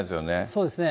そうですね。